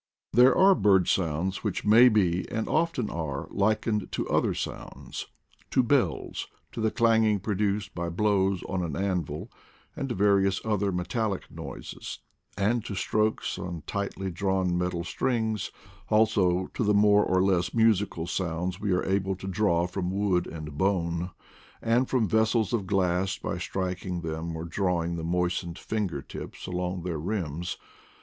There are bird sounds which may be, and often are, likened to other sounds ; to bells, to the clang ing produced by blows on an anvil, and to various other metallic noises; and to strokes on tightly drawn metal strings; also to the more or less musical sounds we are able to draw from wood and bone, and from vessels of glass by striking them or drawing the moistened finger tips along their rims.